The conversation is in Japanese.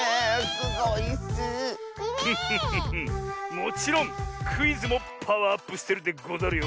もちろんクイズもパワーアップしてるでござるよ。